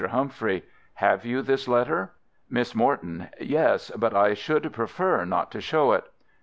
Humphrey: Have you this letter? Miss Morton: Yes, but I should prefer not to show it.